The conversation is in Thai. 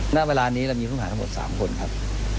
ณเวลานี้เรามีผู้หาทั้งหมด๓คนครับ